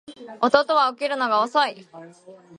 弟は起きるのが遅い